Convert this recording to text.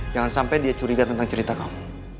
jangan sampai dia curiga tentang cerita kamu